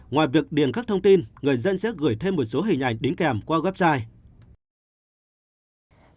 ngoài việc điền các thông tin người dân sẽ gửi thêm một số hình ảnh đính kèm qua website